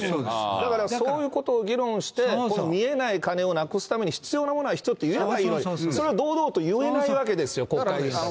だからそういうことを議論して、見えない金をなくすために必要なものは必要と言えばいいのに、それを堂々と言えないわけですよ、国会議員たちは。